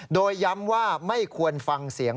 โดยย้ำว่าไม่ควรฟังเสียง